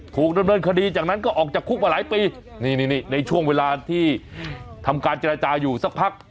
ถูกดำเนินคดีจากนั้นก็ออกจากคุกมาหลายปีนี่ในช่วงเวลาที่ทำการเจรจาอยู่สักพัก